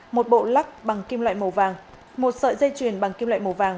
một bộ lắc bằng kim loại màu vàng một sợi dây chuyền bằng kim loại màu vàng